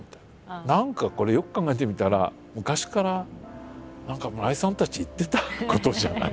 何かこれよく考えてみたら昔から村井さんたち言ってたことじゃない？」